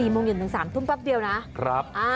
โมงเย็นถึง๓ทุ่มแป๊บเดียวนะ